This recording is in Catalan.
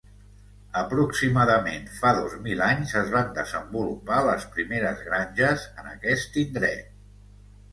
Aproximadament fa dos mil anys es van desenvolupar les primeres granges en aquest indret.